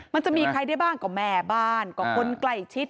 มันจะมีใครได้บ้างก็แม่บ้านก็คนใกล้ชิด